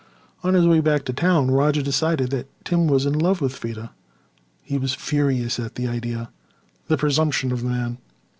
On his way back to town Roger decided that Tim was in love with Freda. He was furious at the idea. The presumption of the man!